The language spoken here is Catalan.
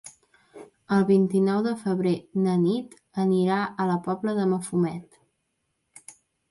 El vint-i-nou de febrer na Nit anirà a la Pobla de Mafumet.